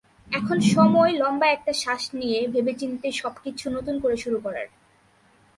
এখন সময় লম্বা একটা শ্বাস নিয়ে, ভেবেচিন্তে সবকিছু নতুন করে শুরু করার।